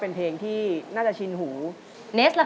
โอ้โหไปทบทวนเนื้อได้โอกาสทองเลยนานทีเดียวเป็นไงครับวาว